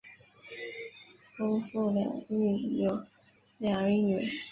夫妇俩育有两儿一女。